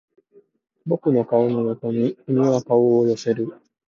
僕の顔の横に君は顔を寄せる